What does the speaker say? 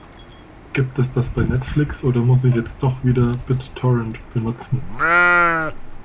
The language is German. Gibt es das bei Netflix oder muss ich jetzt doch wieder BitTorrent benutzen?